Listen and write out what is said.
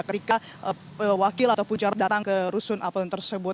ketika wakil atau punca datang ke rusun apron tersebut